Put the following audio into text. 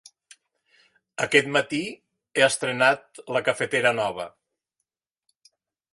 Aquest matí he estrenat la cafetera nova.